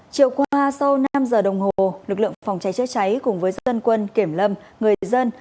chiều qua sau năm giờ đồng hồ lực lượng phòng cháy chữa cháy cùng với dân quân kiểm lâm người dân